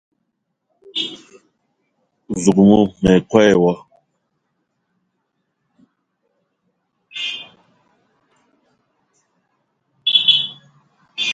Zouk mou ma yi koo e wo